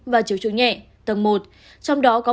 và triệu chứng nhẹ tầng một